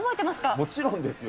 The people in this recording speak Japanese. もちろんですよ。